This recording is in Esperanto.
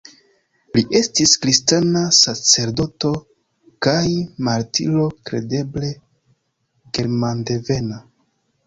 Li estis kristana sacerdoto kaj martiro, kredeble germandevena.